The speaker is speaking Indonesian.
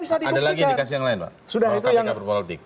ada lagi indikasi yang lain